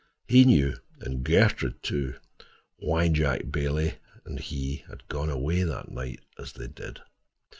He knew, and Gertrude, too, why Jack Bailey and he had gone away that night, as they did.